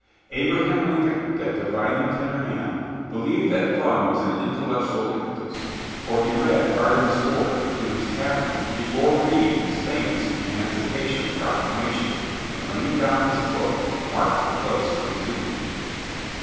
Abraham Lincoln, that divinely tender man, believed that fun was an intellectual impetus, for he read Artemus Ward to his Cabinet before reading his famous emancipation proclamation, and laying down his book marked the place to resume.